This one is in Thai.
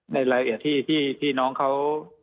ในรายละเอียดที่น้องเขา